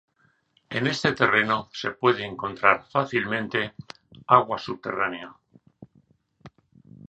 En este terreno se puede encontrar fácilmente agua subterránea.